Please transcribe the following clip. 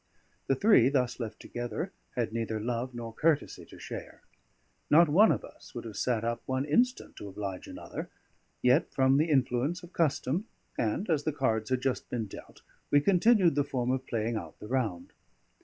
The three thus left together had neither love nor courtesy to share; not one of us would have sat up one instant to oblige another; yet from the influence of custom, and as the cards had just been dealt, we continued the form of playing out the round.